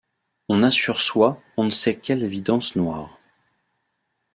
On a sur soi on ne sait quelle évidence noire.